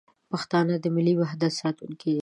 پښتانه د ملي وحدت ساتونکي دي.